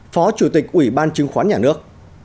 phó chủ tịch ủy ban chứng khoán nhà nước